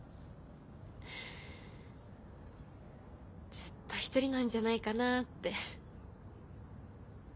ずっとひとりなんじゃないかなって。